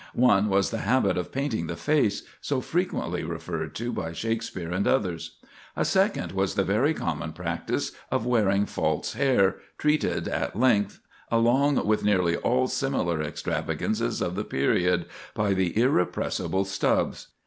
One was the habit of painting the face, so frequently referred to by Shakspere and others. A second was the very common practice of wearing false hair, treated at length, along with nearly all similar extravagances of the period, by the irrepressible Stubbs.